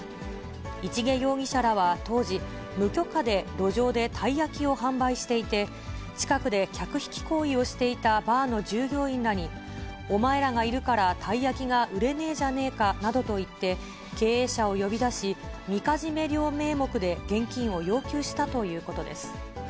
市毛容疑者らは当時、無許可で路上でたい焼きを販売していて、近くで客引き行為をしていたバーの従業員らに、お前らがいるから、たい焼きが売れねえじゃねえかなどと言って、経営者を呼び出し、みかじめ料名目で現金を要求したということです。